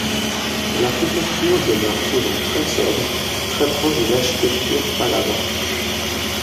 L'architecture demeure souvent très sobre, très proche de l’architecture Pallava.